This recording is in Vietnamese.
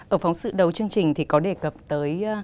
ở phóng sự đầu chương trình thì có đề cập tới